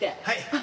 はい。